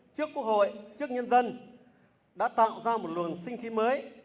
trước quốc hội trước nhân dân đã tạo ra một luồng sinh khí mới